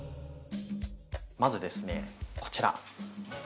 まずですねこちら。